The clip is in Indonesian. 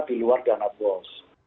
di luar dana bos